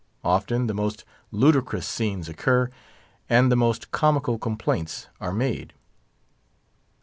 Often, the most ludicrous scenes occur, and the most comical complaints are made.